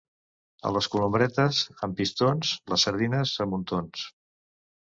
A les Columbretes amb pistons, les sardines a muntons.